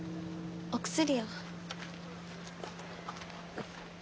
お薬を。